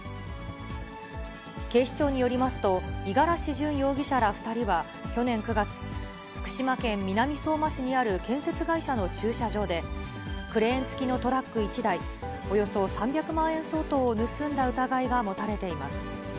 警視庁によりますと、五十嵐純容疑者ら２人は、去年９月、福島県南相馬市にある建設会社の駐車場で、クレーン付きのトラック１台、およそ３００万円相当を盗んだ疑いが持たれています。